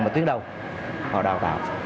mà tuyến đầu họ đào tạo